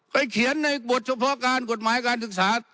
เขียนในบทเฉพาะการกฎหมายการศึกษา